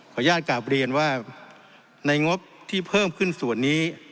อนุญาตกลับเรียนว่าในงบที่เพิ่มขึ้นส่วนนี้